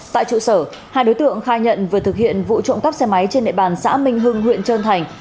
tại trụ sở hai đối tượng khai nhận vừa thực hiện vụ trộm cắp xe máy trên nệ bàn xã minh hưng huyện trơn thành